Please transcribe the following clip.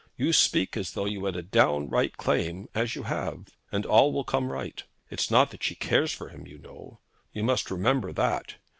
You speak as though you had a downright claim, as you have; and all will come right. It's not that she cares for him, you know. You must remember that.